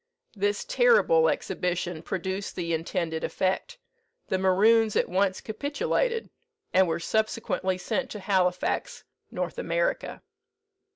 This terrible exhibition produced the intended effect the Maroons at once capitulated, and were subsequently sent to Halifax, North America.